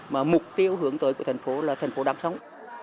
mà mục tiêu hướng tới của thành phố là thành phố đám sống